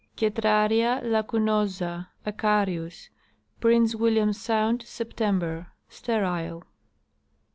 Cetraria lacunosa, Ach. Prince William sound, September. Sterile.